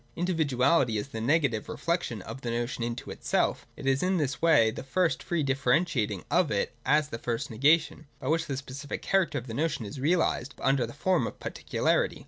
In dividuality is the negative reflection of the notion into itself, and it is in that way at first the free differentiating of it as the first negation, by which the specific character of the notion is reahsed, but under the form of particu larity.